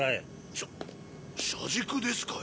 しゃ車軸ですかい？